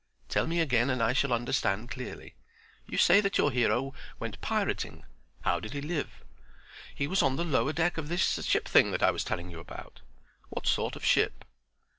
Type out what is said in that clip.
"Tell me again and I shall understand clearly. You say that your hero went pirating. How did he live?" "He was on the lower deck of this ship thing that I was telling you about." "What sort of ship?"